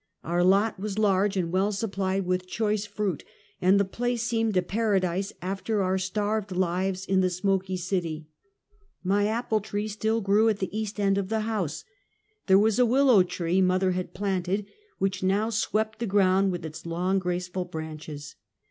Our lot was large and well supplied with choice fruit, and the place seemed a paradise af ter our starved lives in the smoky city. My apple tree still grew at the east end of the house. There was a willow tree mother had planted, which now swept the ground with its long, graceful branches.